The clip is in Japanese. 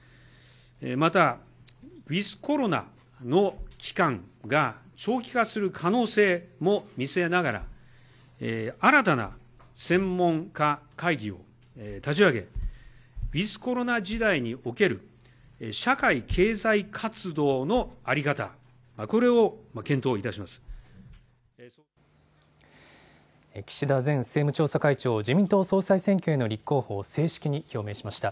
またウィズコロナの期間が長期化する可能性も見据えながら、新たな専門家会議を立ち上げ、ウィズコロナ時代における社会経済活動の在り方、これを検討いた岸田前政務調査会長、自民党の総裁選挙への立候補を正式に表明しました。